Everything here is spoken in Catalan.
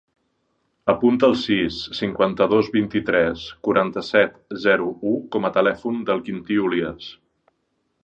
Apunta el sis, cinquanta-dos, vint-i-tres, quaranta-set, zero, u com a telèfon del Quintí Olias.